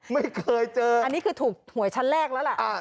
ไม่เคยเจออันนี้คือถูกหวยชั้นแรกแล้วล่ะ